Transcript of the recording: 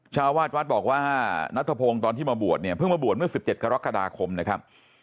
ชาวาสวัดบอกว่านัทพงศ์ตอนที่มาบวชเนี่ยเพิ่งมาบวชเมื่อ๑๗กรกฎาคมนะครับ